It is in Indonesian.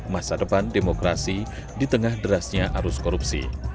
masa depan demokrasi di tengah derasnya arus korupsi